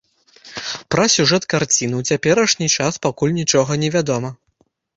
Пра сюжэт карціны ў цяперашні час пакуль нічога не вядома.